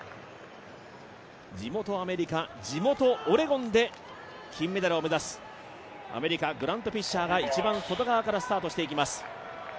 地元アメリカ、地元オレゴンで金メダルを目指すアメリカ、グラント・フィッシャーが一番外側からスタートしていきます。